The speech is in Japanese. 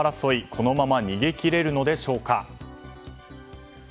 このまま逃げ切れるのでしょうか。